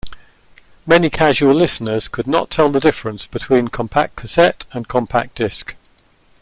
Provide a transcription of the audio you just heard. Many casual listeners could not tell the difference between compact cassette and compact disc.